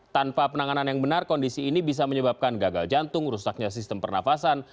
tanpa penanganan yang benar kondisi ini bisa menyebabkan gagal jantung rusaknya sistem pernafasan